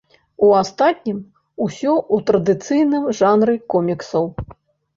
У астатнім усё ў традыцыйным жанры коміксаў.